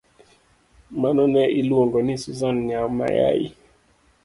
Mano ne Iluong'o ni Susan Nya Mayai